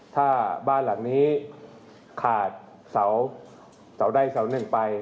ถ้าบ้านหลังนี้ขาดเสาใดเสาหนึ่งไป